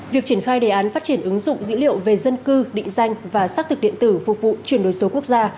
việc triển khai đề án phát triển ứng dụng dữ liệu về dân cư định danh và xác thực điện tử phục vụ chuyển đổi số quốc gia